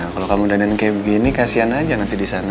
kalo kamu dandan kayak begini kasihan aja nanti disana